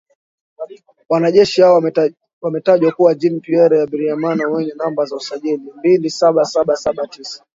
Wanajeshi hao wametajwa kuwa Jean Pierre Habyarimana mwenye namba za usajili mbili saba saba saba tisa